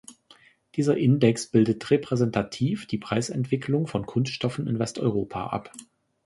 Dieser Index bildet repräsentativ die Preisentwicklung von Kunststoffen in Westeuropa ab.